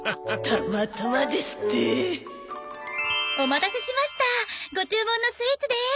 「たまたま」ですって！？お待たせしましたご注文のスイーツです。